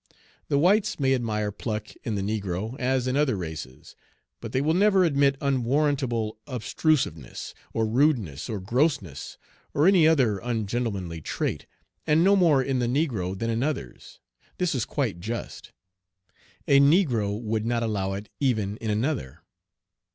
The whites may admire pluck in the negro, as in other races, but they will never admit unwarrantable obtrusiveness, or rudeness, or grossness, or any other ungentlemanly trait, and no more in the negro than in others. This is quite just. A negro would not allow it even in another.